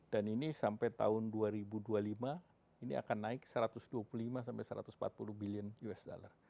dan ini sampai tahun dua ribu dua puluh lima ini akan naik satu ratus dua puluh lima sampai satu ratus empat puluh billion usd